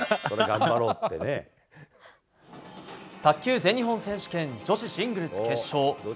卓球全日本選手権女子シングルス決勝。